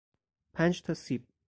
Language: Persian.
پنج تا سیب